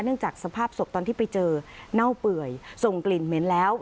จากสภาพศพตอนที่ไปเจอเน่าเปื่อยส่งกลิ่นเหม็นแล้ว